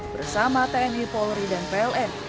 bersama tni polri dan pln